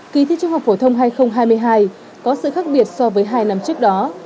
kỳ thi trung học phổ thông hai nghìn hai mươi hai có sự khác biệt so với hai năm trước đó